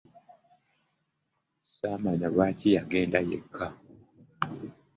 Samanya lwaki yagenda yekka.